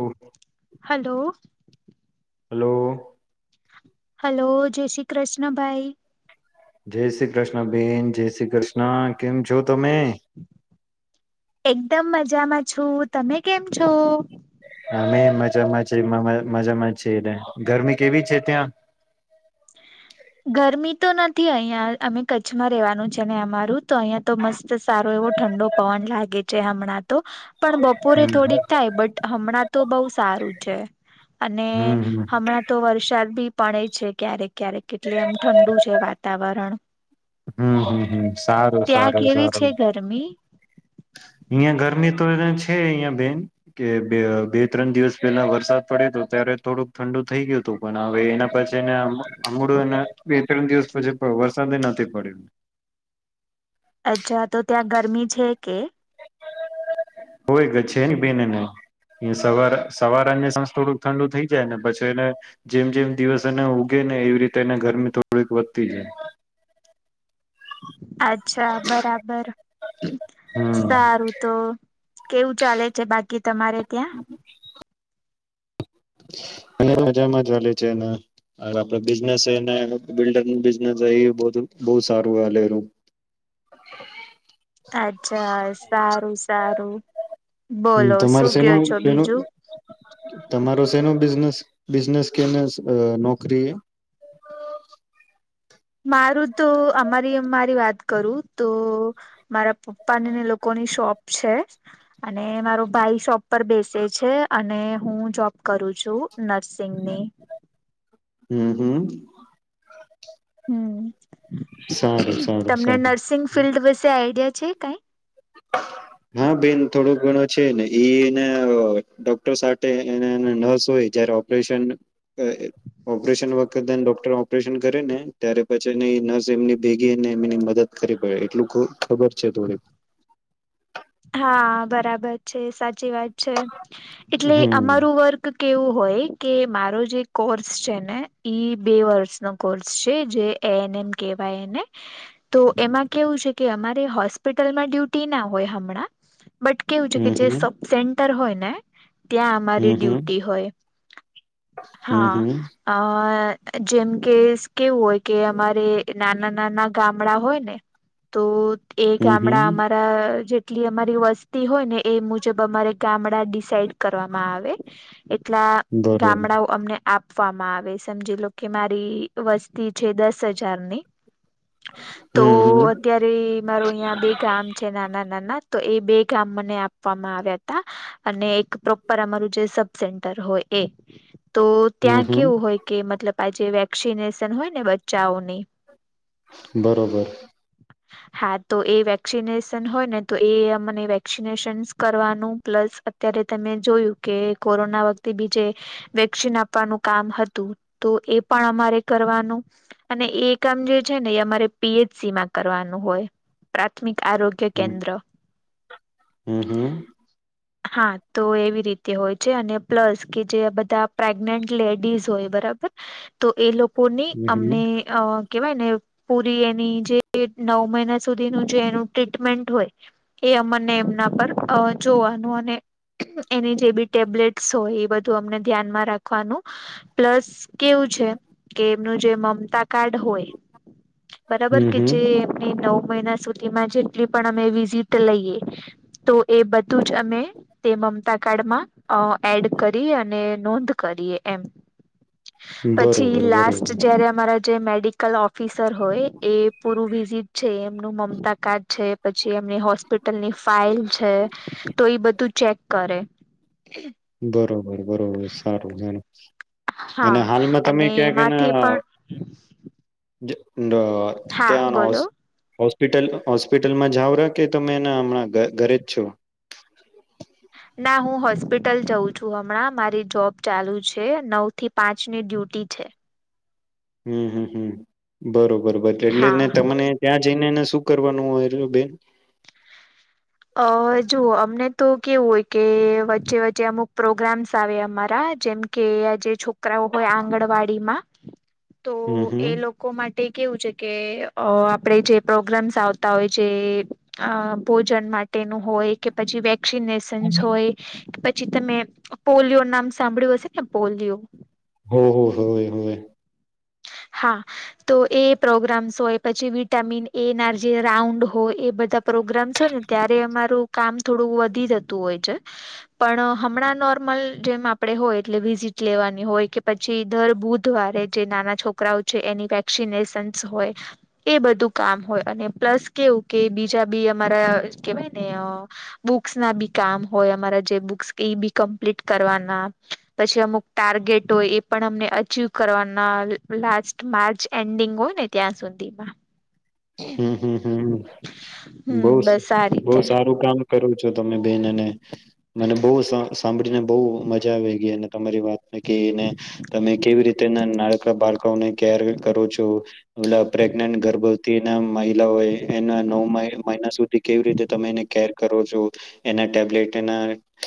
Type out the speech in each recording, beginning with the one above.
ઓ hello hello hello જય શ્રી કૃષ્ણ ભાઈ જય શ્રી કૃષ્ણ બેન જય શ્રી કૃષ્ણ કેમ છો તમે એકદમ મજામાં છું તમે કેમ છો અમે મજામાં છીએ મજામાં છીએ એલે ગરમી કેવી છે ત્યાં ગરમી તો નથી અહિયાં અમે કચ્છમાં રેવાનું છે ને અમારું તો અહિયાં તો મસ્ત સારો એવો ઠંડો પવન લાગે છે હમણાં તો પણ બપોરે થોડીક થાય બટ હમણાં તો બઉુ સારું છે અને હમ હમ હમ હમણાં તો વરસાદ ભી પડે છે ક્યારેક ક્યારેક કેટલી એમ ઠંડુ છે વાતાવરણ હમ હમ હમ સારું ત્યાં સારું કેવી સારું છે ગરમી અહિયાં ગરમી તો એ છે અહિયાં બેન કે બે બે ત્રણ દિવસ પેલા વરસાદ પડે તો ત્યારે થોડુંક ઠંડુ થઈ ગયું હતું પણ હવે એના પછી ને અમડુંને બે ત્રણ દિવસ પછી વરસાદે નથી પડ્યો [inaudible] અચ્છા તો ત્યાં ગરમી છે કે હોય ગ છે એની બેનને સવાર સવાર સાસ થોડુંક ઠંડુ થઈ જાય ને પછી એને જેમ જેમ દિવસ એને ઉગે એવી રીતે એને ગરમી થોડીક વધતી જાય [inaudible] અચ્છા બરાબર હમ સારું તો કેવું ચાલે છે બાકી તમારે ત્યાં? [inaudible] અને મજામાં જાલે છે ન. અર આપડે બિઝનેસ સે ને બિલ્ડરનું બિઝનેસ એ બધું સારું હાલેરુ. અચ્છા. સારું, સારું. હમ. બોલો તમાર શું કયો શેનું છો શેનું બીજું તમારો શેનું બિઝનેસ બિઝનેસ કે ને સ અ નોકરી એ. મારું તો અમારી મારી વાત કરું તો મારા પપ્પાને ને લોકો ને શોપ છે. અને મારો ભાઈ શોપ પર બેસે છે. અને હું જોબ કરુ કરું છું નર્સિંગની. હમ્મ, હમ્મ. હમ સારું તમને સારું નર્સિંગ ફિલ્ડ વિશે આઈડિયા છે? કાંઈ. હા, બેન થોડું ઘણો છે ને એ ન અ ડોક્ટર સાથે એને હેન નર્સ હોય જયારે ઓપરેશન અ અ ઓપરેશન વખતેન ડોક ટર ઓપરેશન કરને ત્યારે પછી ની એ નર્સ એમની ભેગીને એમની મદદ કરીવી પડે એટલું ખ ખબ બર છે, થોડીક. હા, બરાબર છે, સાચી વાત છે, એટલે હમ અમારું વર્ક કેવું હોય કે મારો જે કોર્સ છે, ને ઈ બે વર્ષનો કોર્સ છે. જે એનએમ કેવાય એને. તો એમાં કેવું છે કે, અમારે હોસ્પિટલમાં ડ્યુટી ના હોય હ મણા બટ કેવું છે કે, હમ જે હમ સબ સેન્ટર હોય ને ત્યાં અમારી હમ ડ્યુટી હોય. હમ હા, હમ હમ અ જેમ કે કેવું હોય કે અમારે નાના-નાના ગામડા હોય ને તો એ હમ હમ ગામડા અમારા જે કેટલી અમારી વસ્તી હોય ને એ મુજબ અમારે ગામડા ડિસાઇડ કરવામાં આવે એટલા બરોબર ગામડાઓ અમને આ પવામાં આવે સમજી લો કે મારી વસ્તી છે, દસ હજારની તો હમ હમ અત્યારે મારો અહીયા બે ગામ છે, નાના-નાના તો એ બે ગામ મને આપવામાં આવ્યા તા. અને એક પ્રોપર અમારું જે સબ સેન્ટર હોય એ તો હમ ત્યાં હમ કેવું હોય, કે મતલબ આજે વેક્સિનેશન હોય ને બચ્ચાઓની બરોબર. હા, તો એ વેક્સિનેશન હોય ને તો એ મને વેક્સિનેશન્સ કરવાનું પ્લસ, અત્યારે તમે જોયું કે કોરોના વખ તે બીજે વેક્સીન આપવાનું કામ હતું. તો એ પણ અમારે કરવાનું અને એ કામ જે છે ને એ અમારે પીએચસીમાં કરવાનું હોય, પ્રાથમિક આરોગ્ય કેન્દ્ર હમ્મ, હમ્મ. હા, તો એવી રીતે હોય છે, અને પ્લસ કે જે બધા પ્રેગ્નેન્ટ લેડીઝ હોય બરાબર, તો એ લોકોની હમ અમને અ કેવાય ને પૂરી એની જે નવ મહિના સુધીનું જે એનું ટ્રીટમેન્ટ હોય એ અમને એમના પર અ જોવાનું, અને એની જે બી ટેબ્લેટસ હોય એ બધું અમને ધ્યાનમાં રાખવાનું, પ્લસ કેવું છે કે એમનું જે મમતા કાર્ડ હોય બરાબર, હમ કે જે હમ એમની નવ મહિના સુધીમાં જેટલી પણ અમે વિઝિટ લઈએ તો એ બધું જ અમે તે મમતા કાર્ડમાં અ એડ કરી અને નોંધ કરી લીએ એમ. બરોબર પછી લાસ્ટ બરોબર જ્યારે અમારા જે મેડિકલ ઓફિસર હોય, એ પૂરું વિઝિટ છે, એમનું મમતા છે પછી એ હોસ્પિટલની ફાઈલ છે, તો ઈ બધું ચેક કરે. બરોબર, બરોબર સારું જા અને હા હાલમાં તમે અને ક્યાક એન એમાંથી પણ જ અ હા ત્યાંનો હોસ હોસ બોલો હોસ્પિટલ હોસ્પિટલમાં જાવરા કે તમેને હમણાં ઘ-ઘરે જ છો? ના, હું હોસ્પિટલ જઉં છું. હમણાં મારી જોબ ચાલુ છે, નવ થી પાંચ ની ડ્યુટી છે. હમ્મ, હમ્મ, હમ્મ, બરોબર એટલે ને હા તમને ત્યાં જઈને એને શું કરવાનું હોય ર બેન. અહ જુઓ અમને તો કેવું હોય, કે વચ્ચે-વચ્ચે અમુક પ્રોગ્રામ્સ આવે અમારા જેમ કે આ જે છોકરાઓ હોય આંગણવાડીમાં, તો હમ હમ એ લોકો માટે કેવું છે, કે અહ આપડે જે પ્રોગ્રામ્સ આવતા હોય છે એ ભોજન માટ ટે તેનું હોય કે પછી વેક્સિનેશન હોય પ છી તમે પોલિયો નામ સાંભળ્યું હશે ના પોલિયો હો હો હોય હોય. હા તો એ પ્રોગ્રામ્સ હોય પછી વિટામિન એ ના જે રાઉન્ડ હોય એ બધા પ્રો પ્રોગ્રામસ હોય ને ત્યારે અમારું કામ થોડું વધી જતું હોય છે. પણ અહ હમણાં નોર્મલ અલ જેમ આપડે હોય એટલે વિઝિટ લેવાની હોય કે પછી દર બુધવારે જે નાના છોકરાઓ છે એની વેક્સિનેશન્ હોય એ બધું કામ હોય અને પ્લસ કેવું કે બીજા બી અમારા કેવાયને બુક્સના બી કામ હોય. અમારા જે બુક્સ એ બી કમ્પ્લીટ કરવાના. પછી અમુક ટાર્ગેટ હોય, એ પણ અમને અચીવ કરવાના. લાસ્ટ માર્ચ એન્ડિંગ હોય ને, ત્યાં સુધીમાં. હમ હમમ, હમ બહુ સ બસ આ બહુ રીતે સારું કામ કરું છો તમે બન, અને મને બહુ સાં સાંભળીને બહુ મજા આવી ગઈ, અને તમારી વાત ને કે એને, તમે કેવી રીતે નાન નાનકડા બાળકોને કેર કરો છો, [unintelligible] પ્રેગ્નેન્ટ ગર્ભ તે ને મહિલાઓએ એના નવ મહિના સુધી કેવી રીતે તમે એને કેર કરો છો, એને ટેબલેટ એના,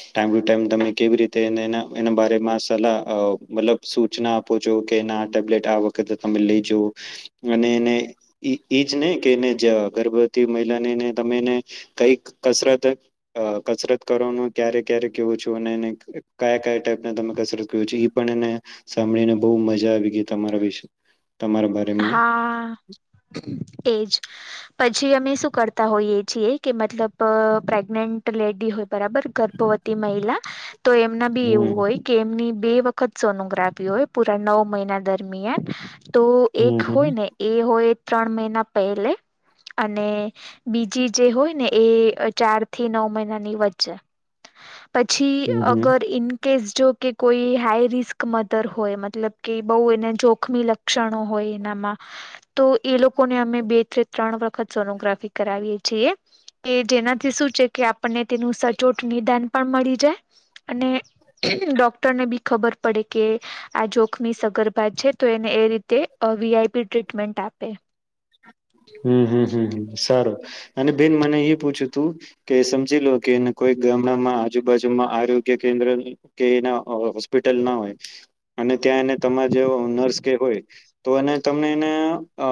ટાઈમ ટુ ટાઈમ તમે કેવી રીતે એને એના બારે માં સલાહ, અ મતલબ સૂચના આપો છો, કે ના આ ટેબ્લેટ આ વખતે તમે લેજો, અને એને એઈજ ને કે એને જવા ગર્ભવતી મહિલા નેને તમે એને કઈક કસરત અ કસરત કરવાનું ક્યારે ક્યારે કેવું છું અને એ કયા કયા ટાઈપને તમે કસરત કહો છો ઈ પણ ને સાંભળીને બહુ મજા આવી ગઈ તમારા વિશે, તમારા બારેમાં હા એજ. પછી અમે શું કરતા હોઈએ છીએ, કે મતલબ પ્રેગને ન્ટ લેડી હોય, બરાબર, ગર્ભવતી મહિલા, તો એમના બી એવું હમ હોય કે એમની બે વખત સોનોગ્રાફી હોય, પુરા નવ મહિના દરમિયાન. તો એક હમ હમ હોય હમ ને, એ હોય ત્રણ મહિના પહેલે અને બીજી જે હોય ને, એ ચારથી નવ મહિનાની વચ્ચે. પછી, હમ અગર ઇન કેસ જોકે, કોઈ હાઈ રિસ્ક મધર હોય, મતલબ કે બહુ એને જોખમી લક્ષણ હોય એનામાં, તો એ લોકોને અમે બે થી ત્રણ વખત સોનોગ્રાફી કરાવીએ છીએ. કે જેનાથી શું છે કે આપણને તેનું સચોટ નિદાન પણ મળી જાય, અને ડોક્ટરને બી ખબર પડે કે, આ જોખમી સગર્ભા છે તો એને એ રીતે તે અ વી આઈ પી ટ્રીટમેન્ટ આપે. હમ્મ હમ્મ હમ્મ સારો અને બેન મને એ પૂછ્યું તું કે સમજી લો કે કોઈ ગામડામાં આજુબાજુમાં આગ્યકેન્દ્ર કે એના હોસ્પિટલ ના હોય અને ત્યાં એને તમારે જેવો નર્સ કે હોય તો એ તમને એને અ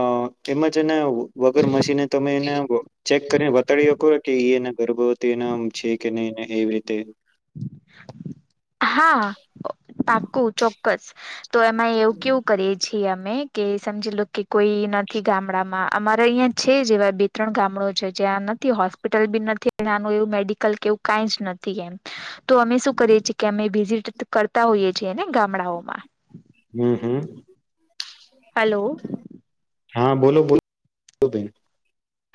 એમજ એને વગર મશીને તમે એને ચેક કરીને વતાડી હકો કે એ એના ગર્ભવતી એનામ છે કે ને. એવી રીતે. હા પ પાકું ચોક્કસ. તો એમાં એવું કેવું કરીએ છીએ અમે કે સમજી લો કે કોઈ નથી ગામડામાં અમારે અહ્યાં છે જ એવા બે ત્રણ ગામડો છે જ્યાં નથી હોસ્પિટલ બી નથી ત્યાંનું એવું મેડિકલ કે એવું કાંઈ જ નથી એમ. તો અમે શું કરીએ છીએ કે અમે વિઝિટ કરતા હોઈએ છીએને ગામડાઓમાં. હમ્મ. હલો હા બોલો બોલો.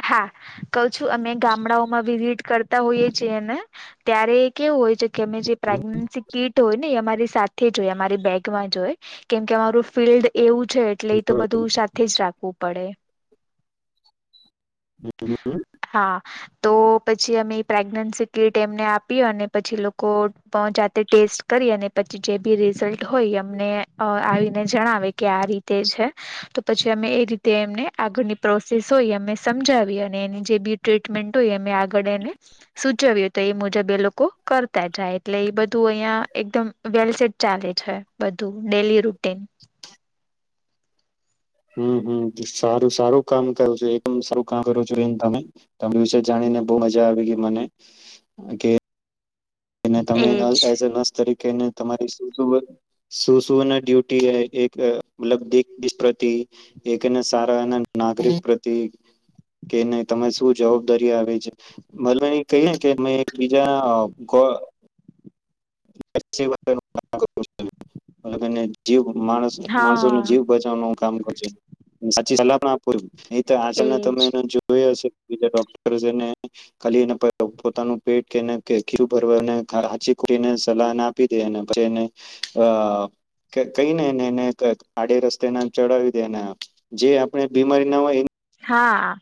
હા કઉ છું અમે ગામડાઓમાં વિઝિટ કરતા હોઈએ છીએ ને ત્યારે કેવું હોય છે કે અમે જે હમ પ્રેગ્નન્સી કીટ હોય ને અમારી એ સાથે જોઈ અમારી બેગમાં જોઈ કેમકે અમારું ફિલ્ડ એવું છે એટલે એ તો બરોબર. બધું સાથે જ રાખવું પડે. હમ હમ હા તો પછી અમે પ્રેગ્નન્સી કીટ એમને આપી અને પછી લોકો જાતે ટેસ્ટ કરી અને પછી જે બી રેય રિઝલ્ટ હોય અમને અ આવીને જણાવે કે આ રીતે છે તો પછી અમે એ રીતે એમને આગળની પ્રોસેસ હોય અમે સમજાવી વી એની જે બી ટ્રીટમેન્ટ હોય અમે આગળ એને સૂચવીએ તો એ મુજબ એ લોકો કરતા. જાય. એટલે એ બધું અહ્યાં એકદમ વેલ સેટ ચાલે છે બધું ડેલી રૂટીન. [inaudible] હમ્મ હમ્મ સારું સારું કામ કરો છો એકદમ સારું કામ કરો છો બેન તમે. તમારી વિશે જાણી ને બહુ મજા આવી ગઈ મને કે એને તમે એજ એનલ એઝ અ નર્સ તરીક કે ને તમારી સુ સુ ન સુ સુ ના ડ્યુટી હોઈ એક એટલે દિસ પ્રતી ઈ એકને સારા એના નાગરિક પ્રતિ કે નહી તરે શું જવાબદારી આવે છે ભલે કહી એને કે મે એક બીજા અહ ગો [inaudible] ને તને જીવ માણસ માણસો નું હા જીવ બચાવવાનું કામ કર સાચી સલાહ પણ આપું એ તો આચલના એજ તમે એને જોય હશે બીજા ડોક્ટરને ખાલી એ પોતાનું પેટ કી ભરવા ઘર હાચી ને સલાહ ના આપી દે અને પછી એને અહ કઈનેને એને આડે રસ્તે ના ચડાવી દે ને જે આપણે બીમારી ના હોય એ હા આ.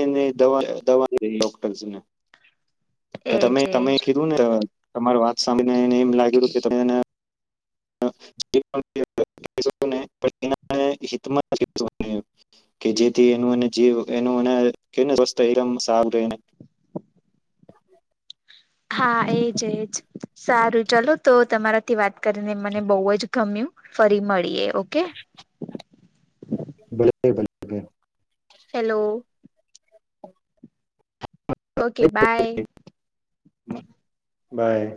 એ ને દવા દવા દે ડોક્ટર્સ ને. તો એજ તમે તમે એજ કીધું ને તમાર વાત સાંભળનેને એમ લાગ્યું કે તમે એને [inaudible] કે જેથી એને એનું જીવ એનું એને કેવું સ્વસ્થ આઈ રામ સાફ રહેને. [inaudible] હા, એજ એજ. સારું ચલો તો તમારાથી વાત કરીને મને બહુ જ ગમ્યું. ફરી મળીએ ઓકે. [inaudible] હેલો. Okay bye. બ, બાય.